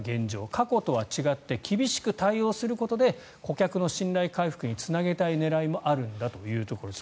過去とは違って厳しく対応することで顧客の信頼回復につなげたい狙いもあるんだというところです。